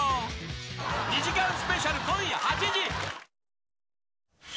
２時間スペシャル、今夜８時。